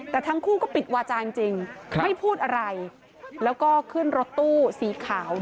แต่ทั้งคู่ก็ปิดวาจาจริงไม่พูดอะไรแล้วก็ขึ้นรถตู้สีขาว